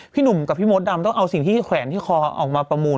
หนุ่มกับพี่มดดำต้องเอาสิ่งที่แขวนที่คอออกมาประมูล